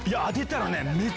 当てたら。